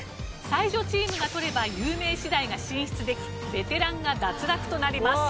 才女チームが取れば有名私大が進出できベテランが脱落となります。